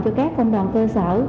cho các công đoàn cơ sở